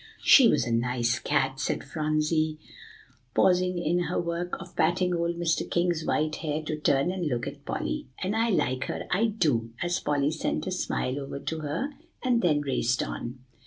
"She was a nice cat," said Phronsie, pausing in her work of patting old Mr. King's white hair to turn and look at Polly; "and I like her, I do," as Polly sent a smile over to her, and then raced on.